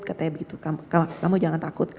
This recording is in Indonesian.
katanya begitu kamu jangan takut